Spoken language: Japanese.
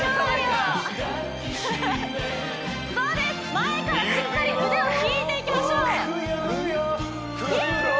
前からしっかり腕を引いていきましょうイヤー！